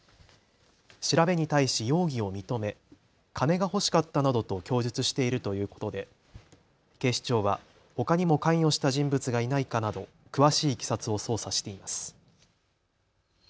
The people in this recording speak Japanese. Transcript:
調べに対し容疑を認め、金が欲しかったなどと供述しているということで警視庁はほかにも関与した人物がいないかなど詳しいいきさつを捜査しています。